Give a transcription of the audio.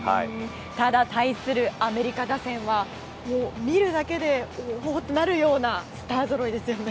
ただ、対するアメリカ打線は見るだけでおお、ってなるようなスターぞろいですよね。